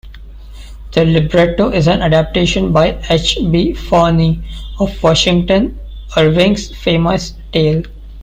The libretto is an adaptation by H. B. Farnie of Washington Irving's famous tale.